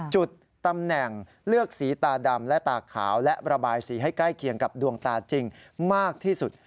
จุดตำแหน่งเลือกสีตาดำและตาขาวและระบายสีให้ใกล้เคียงกับดวงตาจริงมากที่สุด